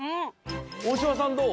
大島さんどう？